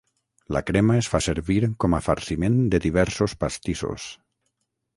La crema es fa servir com a farciment de diversos pastissos.